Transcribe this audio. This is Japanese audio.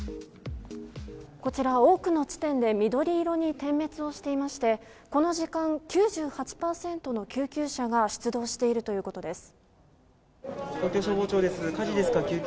こちら多くの地点で緑色に点滅をしていまして、この時間、９８％の救急車が出動しているということです。